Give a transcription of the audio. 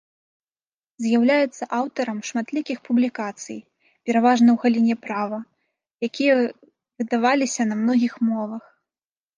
З'яўляецца аўтарам шматлікіх публікацый, пераважна ў галіне права, якія выдаваліся на многіх мовах.